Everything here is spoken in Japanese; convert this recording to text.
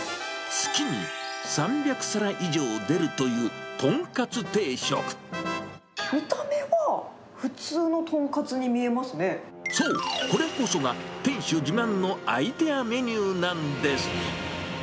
月に３００皿以上出るという見た目は普通のトンカツに見そう、これこそが店主自慢のアイデアメニューなんです。